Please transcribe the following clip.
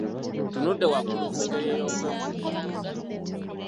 Ntunudde waggulu mu ngeri ey’okwefumiitiriza.